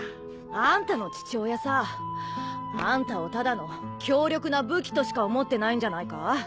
あんたの父親さあんたをただの強力な武器としか思ってないんじゃないか？